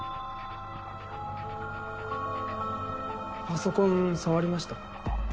パソコン触りました？